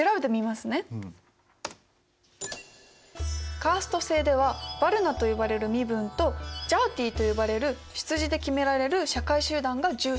カースト制ではヴァルナと呼ばれる身分とジャーティと呼ばれる出自で決められる社会集団が重視されます。